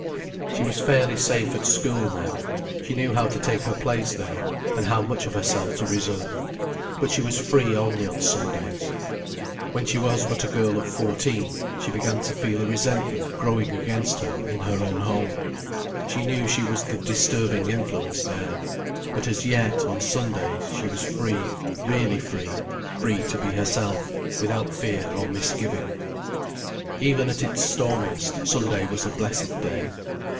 She was fairly safe at school, now. She knew how to take her place there, and how much of herself to reserve. But she was free only on Sundays. When she was but a girl of fourteen, she began to feel a resentment growing against her in her own home. She knew she was the disturbing influence there. But as yet, on Sundays, she was free, really free, free to be herself, without fear or misgiving. Even at its stormiest, Sunday was a blessed day.